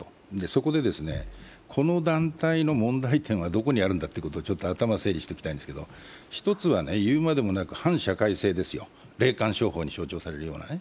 そこでこの団体の問題点はどこにあるんだということを頭整理しておきたいんですけど、一つは反社会性ですよ、霊感商法に象徴されるようなね。